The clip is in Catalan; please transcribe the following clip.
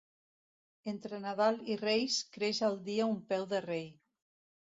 Entre Nadal i Reis creix el dia un peu de rei.